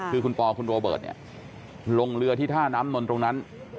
คือคุณพอร์คุณโรเบิร์ทลงเรือที่ท่าน้ำน้ำตรงนั้น